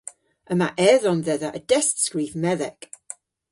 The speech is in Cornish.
Yma edhom dhedha a destskrif medhek.